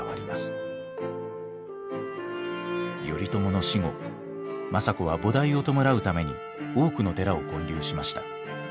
頼朝の死後政子は菩提を弔うために多くの寺を建立しました。